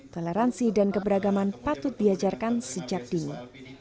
toleransi dan keberagaman patut diajarkan sejak dini